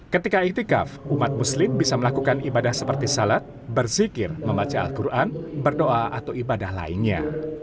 ketika iktikaf umat muslim bisa melakukan ibadah seperti salat berzikir membaca al quran berdoa atau ibadah lainnya